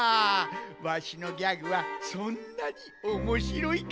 わしのギャグはそんなにおもしろいか？